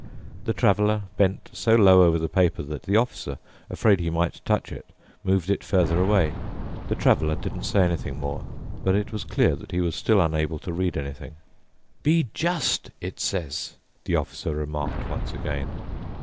The Traveler bent so low over the paper that the Officer, afraid that he might touch it, moved it further away. The Traveler didn't say anything more, but it was clear that he was still unable to read anything. " 'Be just!' it says," the Officer remarked once again.